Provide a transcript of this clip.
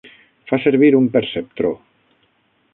Fa servir un perceptró.